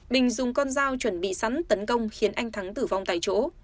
bình dùng con dao chuẩn bị sẵn tấn công khiến anh thắng tử vong tại chỗ